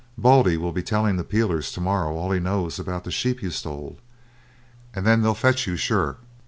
Baldy will be telling the peelers to morrow all he knows about the sheep you stole, and then they'll fetch you, sure.